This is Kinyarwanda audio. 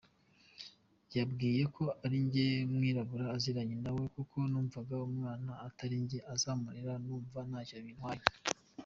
Yabwiye ko arinjye mwirabura aziranye nawe kuko numvaga umwana atarinjye uzamurera numva ntacyo bintwaye”.